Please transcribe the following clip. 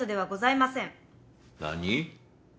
何？